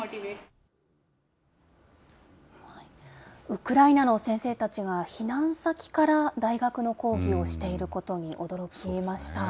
ウクライナの先生たちが避難先から大学の講義をしていることに驚きました。